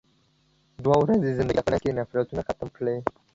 دوه ورځې زندګی ده، خپل مينځ کې نفرتونه ختم کې.